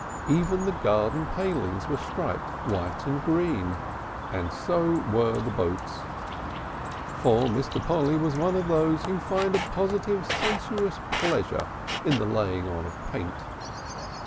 Even the garden palings were striped white and green, and so were the boats, for Mr. Polly was one of those who find a positive sensuous pleasure in the laying on of paint.